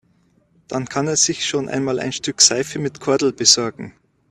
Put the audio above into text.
Dann kann er sich schon einmal ein Stück Seife mit Kordel besorgen.